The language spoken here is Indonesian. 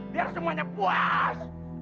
biar semuanya puas